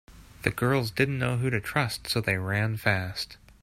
The girls didn’t know who to trust so they ran fast.